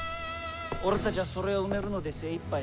俺たちゃそれを埋めるので精いっぱいだ。